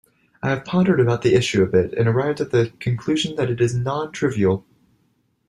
I have pondered about the issue a bit and arrived at the conclusion that it is non-trivial.